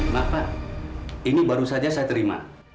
mbak pak ini baru saja saya terima